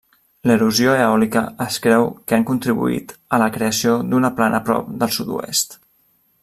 L'erosió eòlica es creu que han contribuït a la creació d'una plana prop del sud-oest.